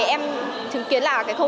em thường kiến là khâu trùng